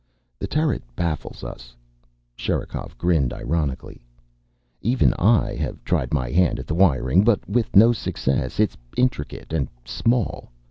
The turret baffles us." Sherikov grinned ironically. "Even I have tried my hand at the wiring, but with no success. It's intricate and small.